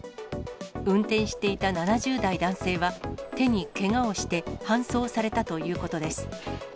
運転していた７０代男性は、手にけがをして、搬送されたということです。